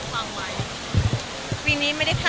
พึ่งเวิยห์เหมือนเดิมค่ะ